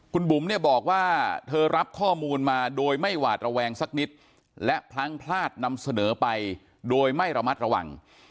คุณบุ๋มเนี่ยบอกว่าเธอรับข้อมูลมาโดยไม่หวาดระแวงสักนิดและพลั้งพลาดนำเสนอไปโดยไม่ระมัดระวัง